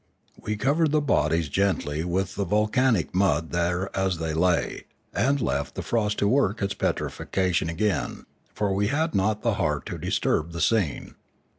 We covered the bodies gently with the volcanic mud there as they lay, and left the frost to work its petrifaction again, for we had not the heart to disturb the scene.